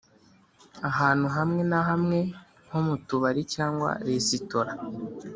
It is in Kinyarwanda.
ahantu hamwe na hamwe nko mu tubari cyangwa resitora